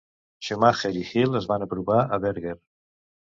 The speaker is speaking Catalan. Schumacher i Hill es van apropar a Berger.